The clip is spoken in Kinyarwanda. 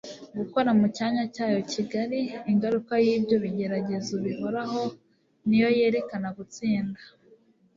gukora mu cyanya cya yo kigari. Ingaruka y'ibyo bigeragezo bihoraho ni yo yerekana gutsinda